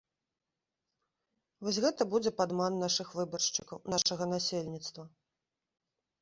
Вось гэта будзе падман нашых выбаршчыкаў, нашага насельніцтва.